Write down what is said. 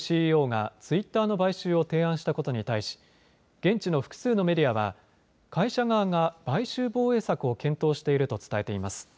ＣＥＯがツイッターの買収を提案したことに対し現地の複数のメディアは会社側が買収防衛策を検討していると伝えています。